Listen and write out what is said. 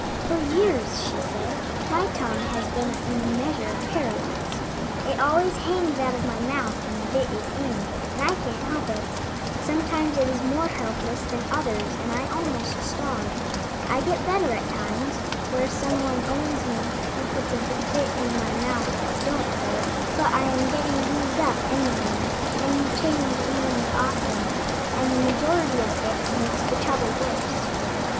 "For years," she said, "my tongue has been in a measure paralyzed. It always hangs out of my mouth when the bit is in, and I can't help it. Sometimes it is more helpless than others and I almost starve. I get better at times where some one owns me who puts a bit in my mouth that don't hurt; but I am getting used up anyway, and change hands often, and the majority of bits makes the trouble worse."